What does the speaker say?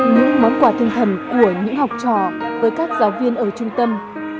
những món quà tinh thần của những học trò với các giáo viên ở trung tâm